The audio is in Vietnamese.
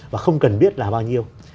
và không cần biết là bao nhiêu